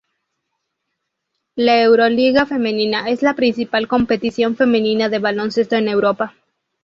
La Euroliga Femenina es la principal competición femenina de baloncesto en Europa.